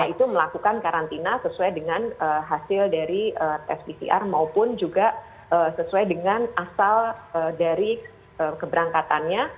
itu melakukan karantina sesuai dengan hasil dari tes pcr maupun juga sesuai dengan asal dari keberangkatannya